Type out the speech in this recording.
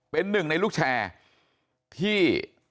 เป็นหนึ่งในลูกแชร์ที่